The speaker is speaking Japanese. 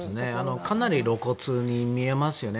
かなり露骨に見えますよね。